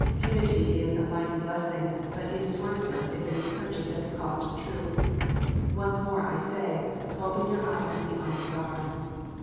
Unity is a mighty blessing ; but it is worthless if it is purchased at the cost of truth. Once more I say, Open your eyes and be on your guard.